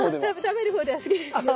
食べるほうでは好きですよ。